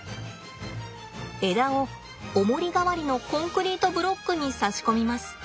枝をおもり代わりのコンクリートブロックに差し込みます。